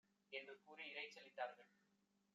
என்று கூறி இரைச்சலிட் டார்கள்.